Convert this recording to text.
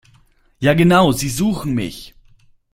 Ja genau, Sie suchen mich!